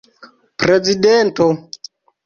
prezidento